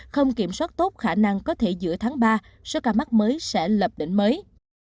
không kiểm soát tốt khả năng có thể giữa tháng ba sơ ca mắc mới sẽ lập định mới